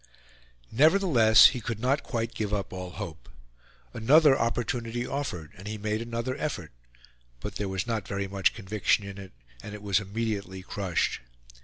Nevertheless, he could not quite give up all hope. Another opportunity offered, and he made another effort but there was not very much conviction in it, and it was immediately crushed.